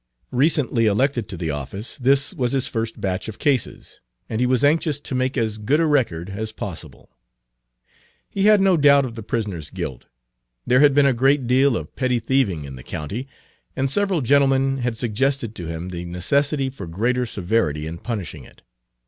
Recently elected to the office, this was his first batch of cases, and he was anxious to make as good a record as Page 298 possible. He had no doubt of the prisoner's guilt. There had been a great deal of petty thieving in the county, and several gentlemen had suggested to him the necessity for greater severity in punishing it.